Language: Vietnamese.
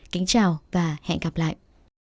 kính chào và hẹn gặp lại